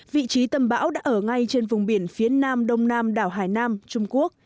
vị trí tâm bão đã ở ngay trên vùng biển phía nam đông nam đảo hải nam trung quốc